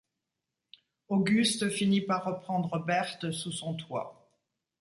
Auguste finit par reprendre Berthe sous son toit.